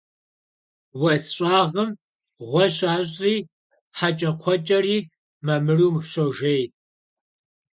Vues ş'ağım ğue şêş'ri heç'ekxhueç'eri mamıru şojjêy.